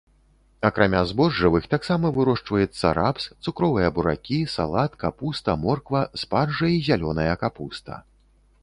Акрамя збожжавых таксама вырошчваецца рапс, цукровыя буракі, салат, капуста, морква, спаржа і зялёная капуста.